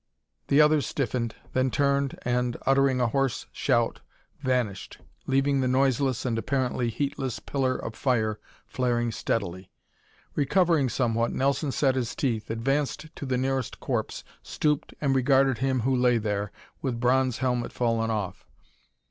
The other stiffened, then turned and, uttering a hoarse shout, vanished, leaving the noiseless and apparently heatless pillar of fire flaring steadily. Recovering somewhat, Nelson set his teeth, advanced to the nearest corpse, stooped and regarded him who lay there, with bronze helmet fallen off.